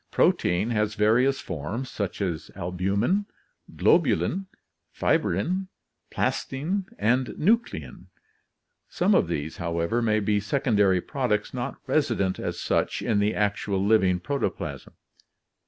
Protein has various forms such as albumin, globulin, fibrin, plastin, and nuclein; some of these, however, may be secondary products not resident as such in the actual living protoplasm.